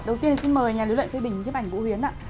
đầu tiên xin mời nhà lưu luyện khai bình tiếp ảnh vũ huyến ạ